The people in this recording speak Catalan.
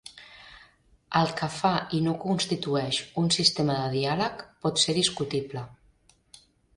El que fa i no constitueix un sistema de diàleg pot ser discutible.